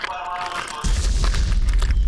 تا د مفرور په نوم ناول په دقت لوستی و.